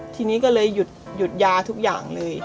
ทีนี้ก็เลยหยุดยาทุกอย่างเลย